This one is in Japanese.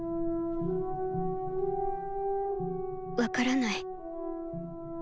分からない。